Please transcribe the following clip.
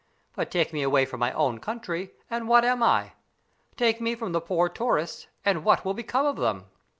But take me away from my own country, and what am I? Take me from the poor tourists, and what will become of them?"